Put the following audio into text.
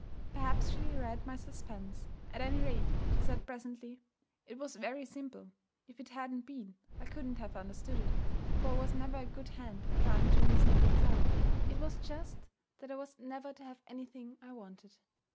Perhaps she read my suspense. At any rate, she said presently, 'It was very simple. If it hadn't been, I couldn't have understood it; for I was never a good hand at trying to reason things out. It was just that I wasn't ever to have anything I wanted.